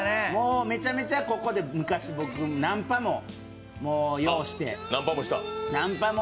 めちゃめちゃここで、昔、僕、ナンパもようして。